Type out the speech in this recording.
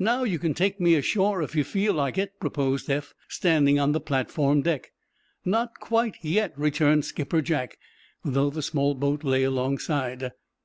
"Now, you can take me ashore, if you feel like it," proposed Eph, standing on the platform deck. "Not quite yet," returned Skipper Jack, though the small boat lay alongside.